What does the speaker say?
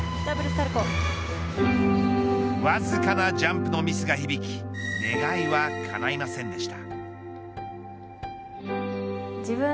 わずかなジャンプのミスが響き願いはかないませんでした。